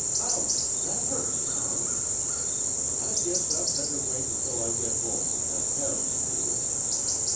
"Ouch! That hurts, Tom! I guess I'd better wait until I get home and have Harris do it.